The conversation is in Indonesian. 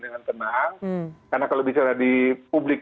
dengan tenang karena kalau bicara di publik